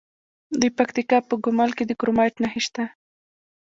د پکتیکا په ګومل کې د کرومایټ نښې شته.